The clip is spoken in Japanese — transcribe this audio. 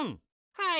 はい。